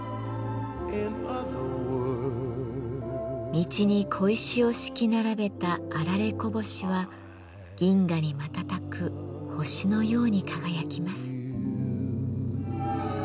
道に小石を敷き並べた霰こぼしは銀河に瞬く星のように輝きます。